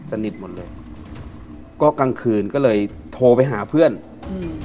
สนิทหมดเลยก็กลางคืนก็เลยโทรไปหาเพื่อนอืม